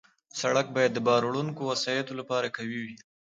سړک باید د بار وړونکو وسایطو لپاره قوي وي.